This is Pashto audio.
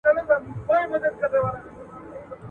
د قرآن پيغام انسان ته د پوهې پيغام دی.